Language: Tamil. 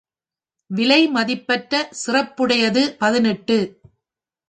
விலை மதிப்பற்ற சிறப்புடையது பதினெட்டு .